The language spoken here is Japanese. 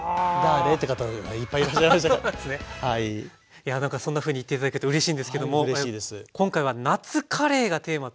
いやなんかそんなふうに言って頂けてうれしいんですけども今回は「夏カレー」がテーマということで。